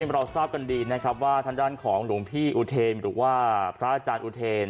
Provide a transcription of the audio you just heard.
เราทราบกันดีนะครับว่าทางด้านของหลวงพี่อุเทนหรือว่าพระอาจารย์อุเทน